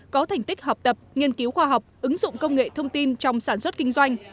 có thành tích học tập nghiên cứu khoa học ứng dụng công nghệ thông tin trong sản xuất kinh doanh